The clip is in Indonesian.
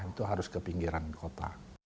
itu harus ke pinggiran kota